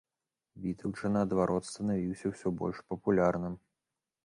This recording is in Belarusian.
Вітаўт жа, наадварот, станавіўся ўсё больш папулярным.